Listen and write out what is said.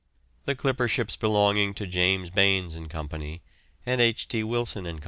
The clipper ships belonging to James Baines and Co., and H. T. Wilson and Co.